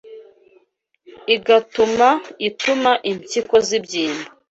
igatuma ituma impyiko zibyimba